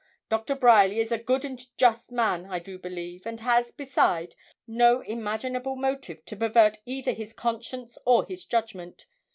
Doctor Bryerly is a good and just man, I do believe, and has, beside, no imaginable motive to pervert either his conscience or his judgment.